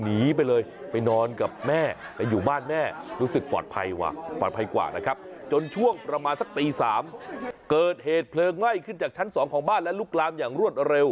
อีสามเกิดเหตุเพลิงไหวขึ้นจากชั้นสองของบ้านและลุกลามอย่างรวดเร็ว